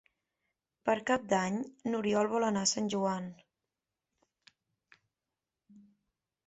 Per Cap d'Any n'Oriol vol anar a Sant Joan.